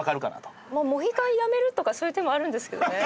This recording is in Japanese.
モヒカンやめるとかそういう手もあるんですけどね。